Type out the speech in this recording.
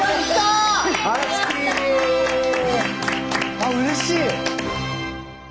あうれしい！